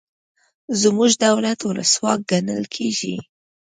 زموږ دولت ولسواک ګڼل کیږي.